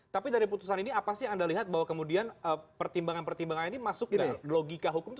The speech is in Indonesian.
tapi dari putusan ini apa sih yang anda lihat bahwa kemudian pertimbangan pertimbangan ini masuk ke logika hukumnya